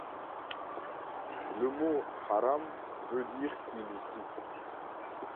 Le mot haram veut dire illicite.